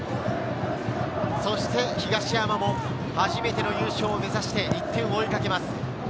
そして東山も初めての優勝を目指して、１点を追いかけます。